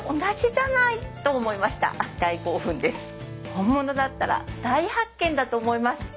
仰天本物だったら大発見だと思います。